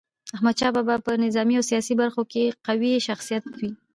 احمد شاه بابا په نظامي او سیاسي برخو کي قوي شخصیت و.